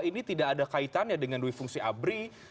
ini tidak ada kaitannya dengan duifungsi abri